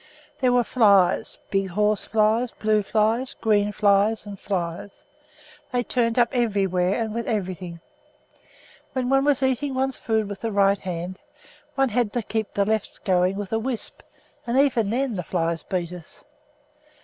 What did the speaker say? There were flies, big horse flies, blue flies, green flies, and flies. They turned up everywhere and with everything. While one was eating one's food with the right hand, one had to keep the left going with a wisp, and even then the flies beat us.